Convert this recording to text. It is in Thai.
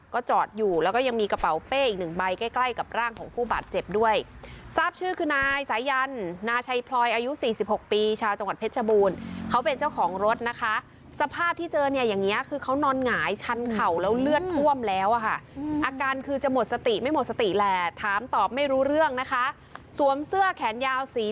ก็จอดอยู่แล้วก็ยังมีกระเป๋าเป้อีกหนึ่งใบใกล้ใกล้กับร่างของผู้บาดเจ็บด้วยทราบชื่อคือนายสายันนาชัยพลอยอายุสี่สิบหกปีชาวจังหวัดเพชรชบูรณ์เขาเป็นเจ้าของรถนะคะสภาพที่เจอเนี่ยอย่างเงี้คือเขานอนหงายชั้นเข่าแล้วเลือดท่วมแล้วอะค่ะอาการคือจะหมดสติไม่หมดสติแหละถามตอบไม่รู้เรื่องนะคะสวมเสื้อแขนยาวสี